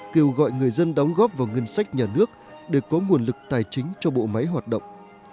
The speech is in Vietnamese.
kêu gọi người dân đóng góp vào ngân sách nhà nước để có nguồn lực tài chính cho bộ máy hoạt động